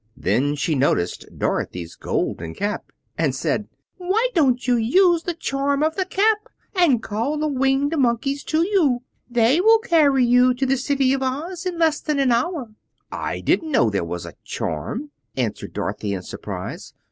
Then she noticed Dorothy's Golden Cap, and said, "Why don't you use the charm of the Cap, and call the Winged Monkeys to you? They will carry you to the City of Oz in less than an hour." "I didn't know there was a charm," answered Dorothy, in surprise.